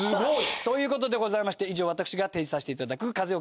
さあという事でございまして以上私が提示させていただく風